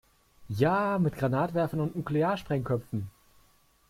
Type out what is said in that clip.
Ja, mit Granatwerfern und Nuklearsprengköpfen.